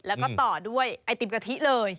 แล้วก็ต่อด้วยไอติมกะทิเลย